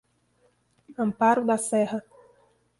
Amparo da Serra